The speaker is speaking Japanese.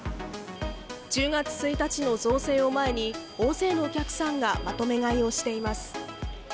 １０月１日の増税を前に、大勢のお客さんがまとめ買いをしています。